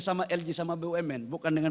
sama lg sama bumn bukan dengan